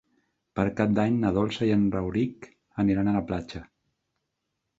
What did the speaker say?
Per Cap d'Any na Dolça i en Rauric aniran a la platja.